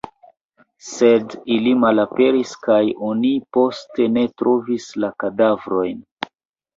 Sed ili malaperis kaj oni poste ne trovis la kadavrojn.